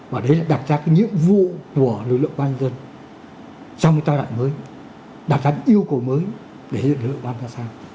và đấy là đặt ra cái nhiệm vụ của lực lượng quan nhân dân trong cái giai đoạn mới đặt ra cái yêu cầu mới để xây dựng lực lượng quan nhân dân sang